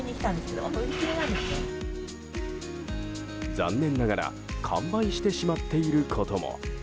残念ながら完売してしまっていることも。